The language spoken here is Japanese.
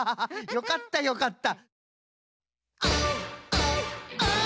よかったよかった。